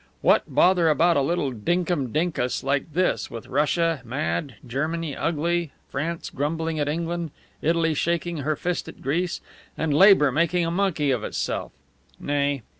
What, bother about a little dinkum dinkus like this, with Russia mad, Germany ugly, France grumbling at England, Italy shaking her fist at Greece, and labour making a monkey of itself? Nay!